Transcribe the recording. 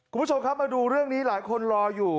คุณผู้ชมครับมาดูเรื่องนี้หลายคนรออยู่